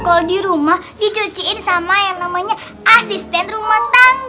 kalau di rumah dicuciin sama yang namanya asisten rumah tangga